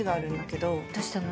どうしたの？